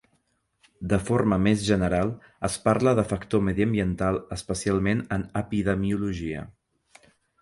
De forma més general es parla de factor mediambiental especialment en epidemiologia.